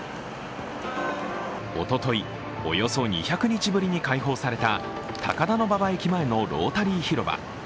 おととい、およそ２００日ぶりに開放された高田馬場駅前のロータリー広場。